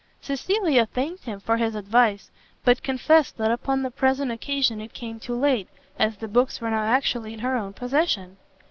Cecilia thanked him for his advice, but confessed that upon the present occasion it came too late, as the books were now actually in her own possession.